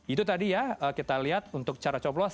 itu tadi ya kita lihat untuk cara coplos